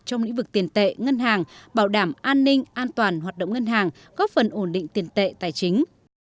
trong lĩnh vực tiền tệ ngân hàng bảo đảm an ninh an toàn hoạt động ngân hàng góp phần ổn định tiền tệ tài chính